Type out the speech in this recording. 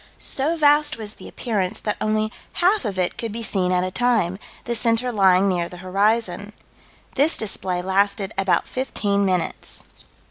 So vast was the appearance that only half of it could be seen at a time, the center lying near the horizon. This display lasted about fifteen minutes.